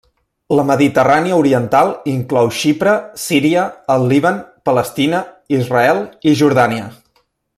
La Mediterrània Oriental inclou Xipre, Síria el Líban, Palestina, Israel i Jordània.